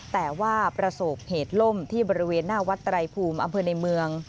แต่ว่าประสบเหตุล่มที่บริเวณหน้าวัดไตรภูมิอำเภอในเมือง